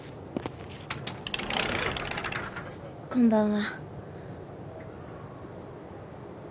こんばんは。